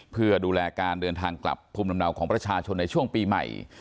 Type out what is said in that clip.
เพื่อดูแลการเดินทางกลับภูมิลำเนาของประชาชนในช่วงปีใหม่